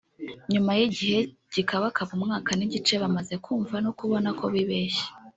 nyuma y’igihe gikabakaba umwaka n’igice bamaze kwumva no kubona ko bibeshye